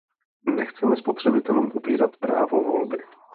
Nechceme spotřebitelům upírat právo volby.